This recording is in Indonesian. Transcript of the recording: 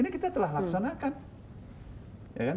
ini kita telah laksanakan